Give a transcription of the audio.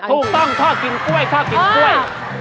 ถูกต้องชอบกินกล้วยชอบกินกล้วย